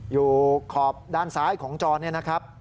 อยู่ขอบด้านซ้ายของจอเนี่ยนะครับ